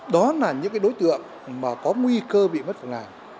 đó là những đối tượng có nguy cơ bị mất vào ngày